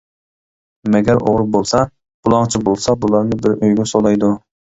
مەگەر ئوغرى بولسا، بۇلاڭچى بولسا، بۇلارنى بىر ئۆيگە سولايدۇ.